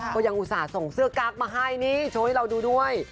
ก็ยังอุตส่าห์ส่งเสื้อกั๊กมาให้นี่โชว์ให้เราดูด้วย